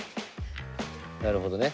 なるほどね。